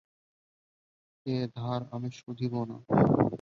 এ ধার আমি শুধিব না।